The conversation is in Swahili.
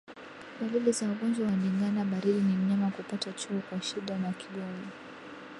Dalili za ugonjwa wa ndigana baridi ni mnyama kupata choo kwa shida na kigumu